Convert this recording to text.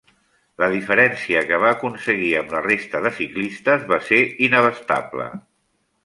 La diferència que va aconseguir amb la resta de ciclistes, va ser inabastable.